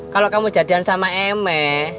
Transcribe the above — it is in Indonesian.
kalo kamu jadian sama emeh